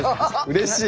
うれしい！